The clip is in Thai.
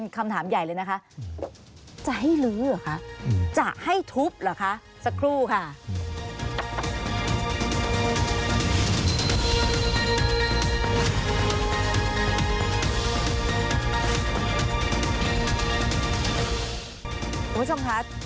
คุณผู้ชมคะ